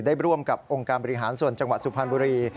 ร่วมกับองค์การบริหารส่วนจังหวัดสุพรรณบุรี